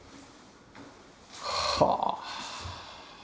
はあ。